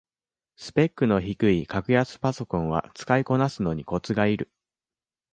スペックの低い格安パソコンは使いこなすのにコツがいる